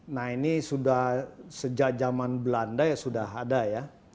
nah ini sudah sejak zaman belanda ya sudah ada ya